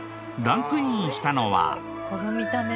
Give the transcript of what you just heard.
ランクインしたのは。